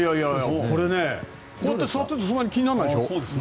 これ、こうやって座っていてもそんなに気にならないでしょ。